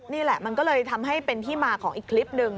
นี่แหละมันก็เลยทำให้เป็นที่มาของอีกคลิปหนึ่ง